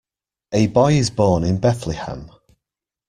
A boy is born in Bethlehem.